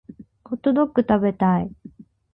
ホットドック食べたい